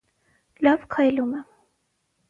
Լավ քայլում է։